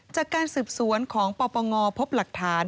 จากการสืบสวนของปปงพบหลักฐาน